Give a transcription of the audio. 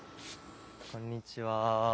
こんにちは。